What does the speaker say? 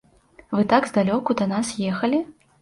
Вы так здалёку да нас ехалі?